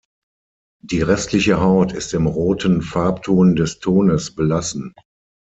Die restliche Haut ist im roten Farbton des Tones belassen.